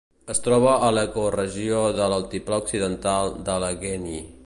Es troba en l'ecoregió de l'Altiplà Occidental d'Allegheny.